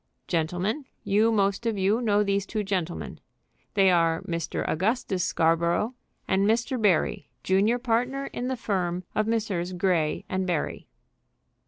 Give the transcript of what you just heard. "Gentlemen, you most of you know these two gentlemen. They are Mr. Augustus Scarborough and Mr. Barry, junior partner in the firm of Messrs. Grey & Barry."